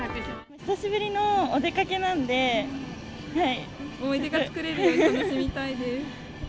久しぶりのお出かけなんで、思い出が作れるように楽しみたいです。